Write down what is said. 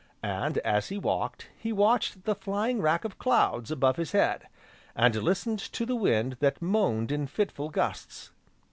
And, as he walked, he watched the flying wrack of clouds above his head, and listened to the wind that moaned in fitful gusts.